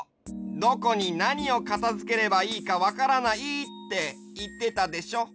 「どこになにをかたづければいいかわからない」っていってたでしょ？